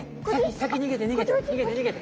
さき逃げて逃げて。